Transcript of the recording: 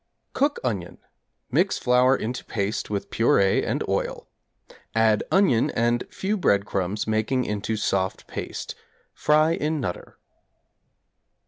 Cook onion; mix flour into paste with purée and oil; add onion and few breadcrumbs making into soft paste. Fry in 'Nutter.'